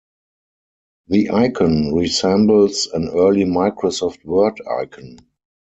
The icon resembles an early Microsoft Word icon.